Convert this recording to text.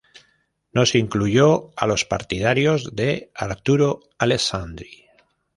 No se incluyó a los partidarios de Arturo Alessandri.